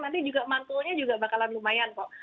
nanti juga mantulnya juga bakalan lumayan kok